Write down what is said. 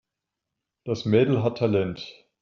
Das Mädel hat Talent.